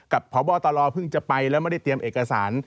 พบตรเพิ่งจะไปแล้วไม่ได้เตรียมเอกสาร